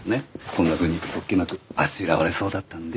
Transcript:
こんなふうに素っ気なくあしらわれそうだったんで。